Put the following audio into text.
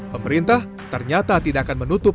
pemerintah ternyata tidak akan menutup